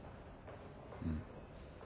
うん。